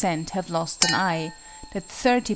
have lost an eye," that 30 p.